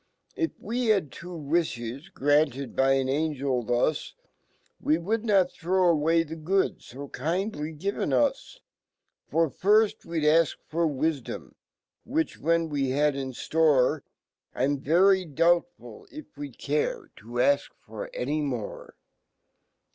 If we had had two wlfhes, granted by an Angel fhus, We would not throw away fhe good fo kind ly given us . Fr firft we'd afk fbrwifdorn ,which, when^7e had inftore, I'm very doubtful if we'd care to afk for anymore.